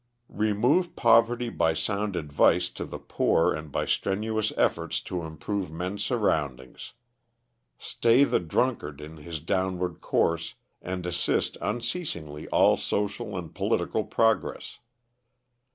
Remove poverty by sound advice to the poor and by strenuous efforts to improve men's surroundings. Stay the drunkard in his downward course, and assist unceasingly all social and political progress.